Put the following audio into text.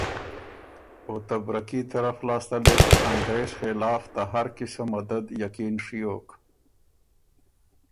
او ته برکي طرف لاسته لې ته انګرېز خلاف ته هر قِسُم مدد یقین ڒیوک۔